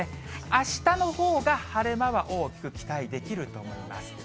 あしたのほうが晴れ間は多く期待できると思います。